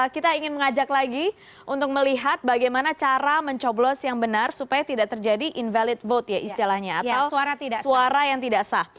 kita ingin mengajak lagi untuk melihat bagaimana cara mencoblos yang benar supaya tidak terjadi invalid vote ya istilahnya atau suara yang tidak sah